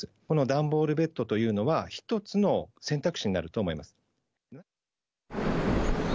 この段ボールベッドというのは、一つの選択肢になると思います。